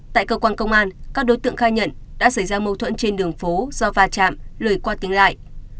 tại cơ quan công an các đối tượng khai nhận đã xảy ra mâu thuẫn trên đường phố do va chạm lời qua tiếng lại